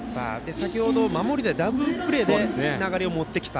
先程は守りでダブルプレーで流れを持ってきた。